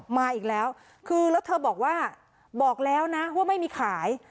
มาอีกแล้วคือแล้วเธอบอกว่าบอกแล้วนะว่าไม่มีขาย